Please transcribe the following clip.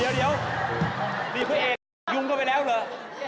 นี่คุยยึงกันไปแล้วเหรอ